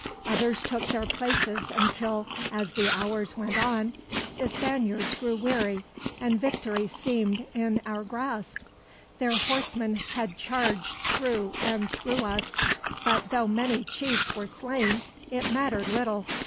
Others took their places until, as the hours went on, the Spaniards grew weary, and victory seemed in our grasp. Their horsemen had charged through and through us, but though many chiefs were slain, it mattered little.